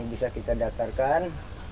ini bisa kita datarkan